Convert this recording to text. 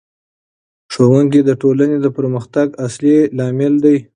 ښوونکی د ټولنې د پرمختګ اصلي لامل دی.